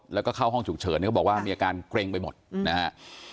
แล้วก็เข้าห้องฉุกเฉินเขาบอกว่ามีอาการเกร็งไปหมดนะฮะ